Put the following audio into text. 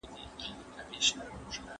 دغه کتاب چې اوس ستاسو په واک کې دی.